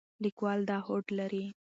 لیکوال دا هوډ لري.